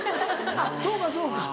あっそうかそうか。